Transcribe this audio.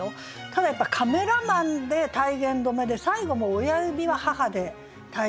ただやっぱ「カメラマン」で体言止めで最後も「親指は母」で体言止めになってて。